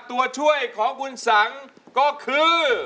ตัวช่วยของคุณสังก็คือ